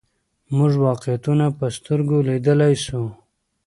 موږ واقعیتونه په سترګو لیدلای سو.